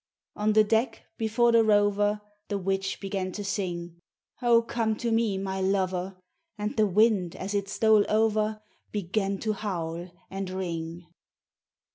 On the deck, before the rover, The witch began to sing: "Oh come to me, my lover!" And the wind as it stole over Began to howl and ring.